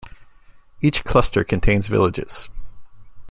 Each cluster contain villages.